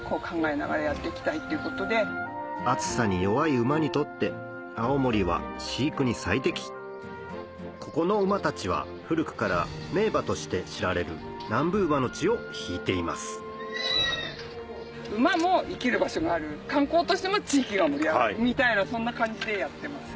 暑さに弱い馬にとって青森は飼育に最適ここの馬たちは古くから名馬として知られるの血を引いています馬も生きる場所がある観光としても地域が盛り上がるみたいなそんな感じでやってます。